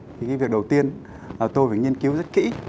thì cái việc đầu tiên tôi phải nghiên cứu rất kỹ